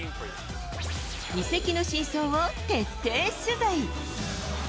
移籍の真相を徹底取材。